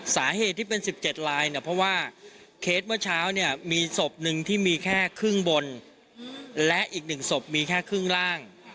สาเหตุที่เป็น๑๗ลายเนี่ยเพราะว่าเคสเมื่อเช้าเนี่ยมีศพหนึ่งที่มีแค่ครึ่งบนและอีก๑ศพมีแค่ครึ่งล่าง